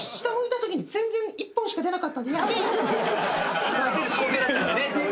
下向いたときに全然１本しか出なかったんで「ヤベえ」